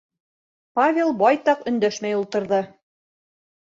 - Павел байтаҡ өндәшмәй ултырҙы.